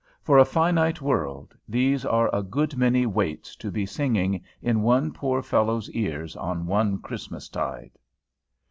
For a finite world, these are a good many "waits" to be singing in one poor fellow's ears on one Christmas tide.